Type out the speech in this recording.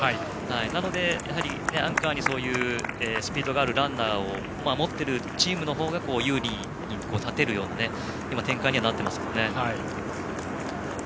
なので、アンカーにスピードがあるランナーを持っているチームの方が優位に立てるような展開にはなっていますよね。